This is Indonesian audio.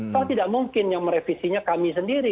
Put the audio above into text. kalau tidak mungkin yang merevisinya kami sendiri